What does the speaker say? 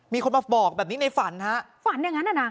มีคนมาบอกแบบนี้ในฝันฮะฝันอย่างนั้นน่ะนะ